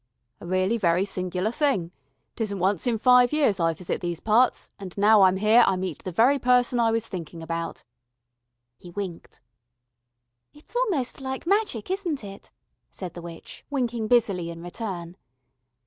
"A really very singular thing. 'Tisn't once in five years I visit these parts, and now I'm here I meet the very person I was thinkin' about." He winked. "It's almost like magic, isn't it," said the witch, winking busily in return.